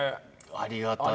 ありがたい。